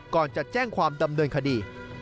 ก่อนจะแจ้งความดำเนินคดี